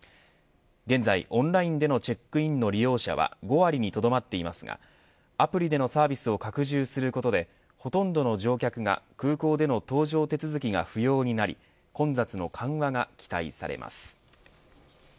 現在オンラインでのチェックインの利用者は５割にとどまっていますがアプリでのサービスを拡充することでほとんどの乗客が空港での搭乗手続きが不要になり混雑の緩和が期待されます。